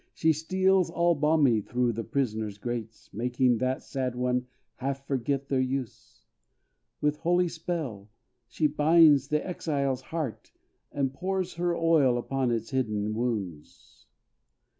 She steals all balmy through the prisoner's grates, Making that sad one half forget their use. With holy spell she binds the exile's heart, And pours her oil upon its hidden wounds.